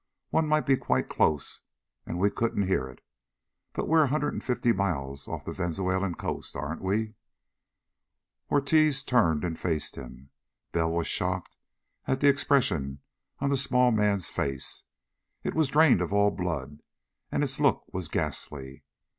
One might be quite close and we couldn't hear it. But we're a hundred and fifty miles off the Venezuelan coast, aren't we?" Ortiz turned and faced him. Bell was shocked at the expression on the small man's face. It was drained of all blood, and its look was ghastly.